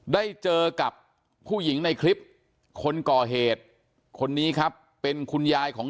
ได้เจอกับผู้หญิงในคลิปคนก่อเหตุคนนี้ครับเป็นคุณยายของ